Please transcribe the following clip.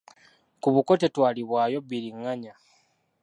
Ku buko tetwalibwayo bbiringanya.